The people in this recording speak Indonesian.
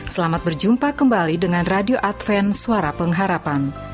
selamat berjumpa kembali dengan radio advent suara pengharapan